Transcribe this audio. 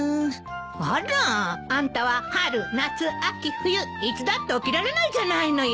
あらあんたは春夏秋冬いつだって起きられないじゃないのよ。